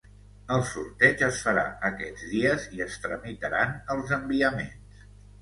El sorteig es farà aquests dies i es tramitaran els enviaments.